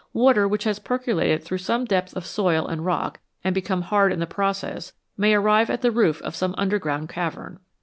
Water which has percolated through some depth of soil and rock, and become hard in the process, may arrive at the roof of some underground cavern.